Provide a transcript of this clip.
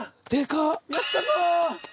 やったぞ！